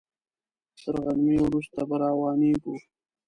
تر غرمې وروسته به روانېږو.